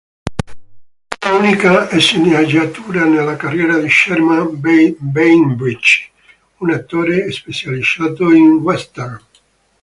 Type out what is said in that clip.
Fu l'unica sceneggiatura nella carriera di Sherman Bainbridge, un attore specializzato in western.